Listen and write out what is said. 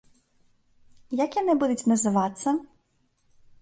Як яны будуць называцца?